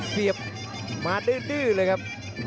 เสียบมาดื้อเลยครับ